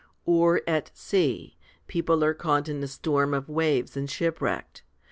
Or at sea, people are caught in a storm of waves and shipwrecked.